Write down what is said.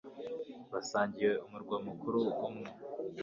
basangiye umurwa mukuru umwe,